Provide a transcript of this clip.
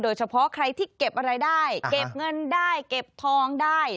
โดยเฉพาะใครที่เก็บอะไรได้เก็บเงินได้เก็บทองได้